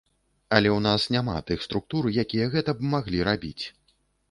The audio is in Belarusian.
Але ў нас няма тых структур, якія гэта б маглі рабіць.